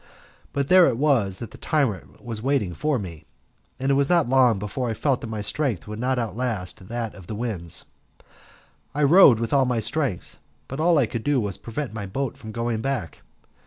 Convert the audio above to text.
But there it was that the tyrant was waiting for me, and it was not long before I felt that my strength would not outlast that of the winds. I rowed with all my strength, but all I could do was to prevent my boat from going back.